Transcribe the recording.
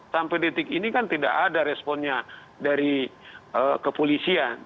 sampai detik ini kan tidak ada responnya dari kepolisian